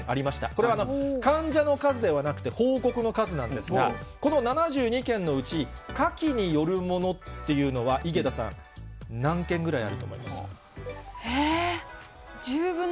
これは患者の数ではなくて、報告の数なんですが、この７２件のうち、カキによるものっていうのは、井桁さん、何件ぐらいあると思います？